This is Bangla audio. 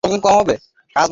কাছে আয়, বাবা!